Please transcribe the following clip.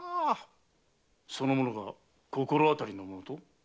その者が心当たりの者と？